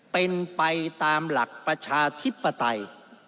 เป็นไปตามหลักประชาธิปไตย